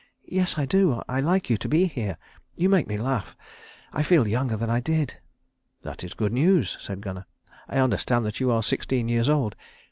"Yes, I do. I like you to be here. You make me laugh. I feel younger than I did." "That is good news," said Gunnar. "I understand that you are sixteen years old.